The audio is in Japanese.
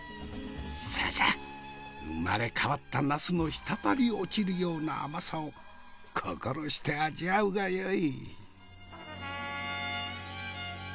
ささ生まれ変わったナスの滴り落ちるような甘さを心して味わうがよい。